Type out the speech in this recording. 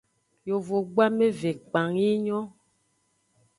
Yovogbu ameve kpang yi nyon.